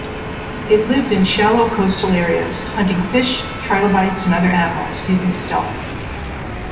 It lived in shallow coastal areas, hunting fish, trilobites and other animals using stealth.